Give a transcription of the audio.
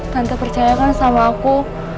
tante percaya kan sama aku